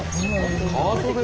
カートで？